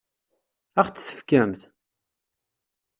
Ad ɣ-t-tefkemt?